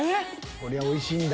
こりゃおいしいんだ。